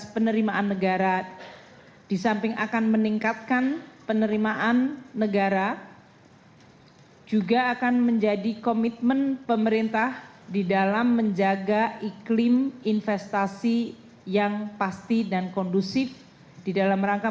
termasuk memastikan tersedianya regulasi bagi semua investor di dalam rakyat